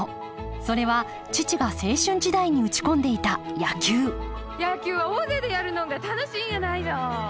それは父が青春時代に打ち込んでいた野球野球は大勢でやるのんが楽しいんやないの。